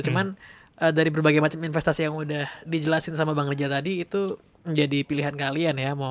cuman dari berbagai macam investasi yang udah dijelasin sama bang rijal tadi itu menjadi pilihan kalian ya